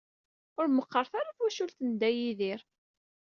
Ur meqqret ara twacult n Dda Yidir.